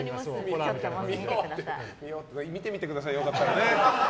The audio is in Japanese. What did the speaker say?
見てみてください良かったらね。